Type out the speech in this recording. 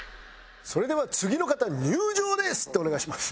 「それでは次の方入場です」でお願いします。